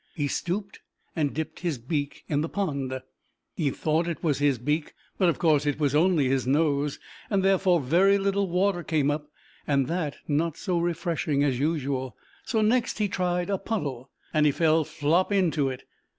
He stooped, and dipped his beak in the pond; he thought it was his beak, but, of course, it was only his nose, and, therefore, very little water came up, and that not so refreshing as usual, so next he tried a puddle, and he fell flop into it.